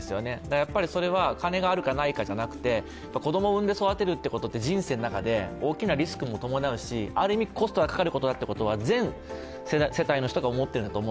やはりそれは金があるかないかじゃなくて子供を産んで育てることは、人生の中で大きなリスクも伴うし、ある意味、コストが伴うということは全世帯の人が思っていると思う。